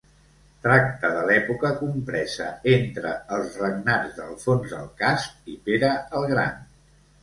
Tracta de l'època compresa entre els regnats d'Alfons el Cast i Pere el Gran.